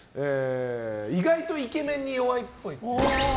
意外とイケメンに弱いっぽい。